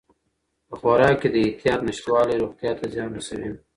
په خوراک کې د احتیاط نشتوالی روغتیا ته زیان رسوي.